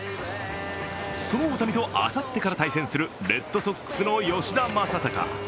その大谷とあさってから対戦するレッドソックスの吉田正尚。